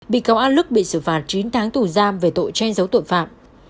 bị cáo a lức bị xử phạt chín tháng tù giam về tội che giấu tội phạm